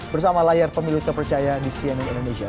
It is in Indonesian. bersama layar pemilu terpercaya di cnn indonesia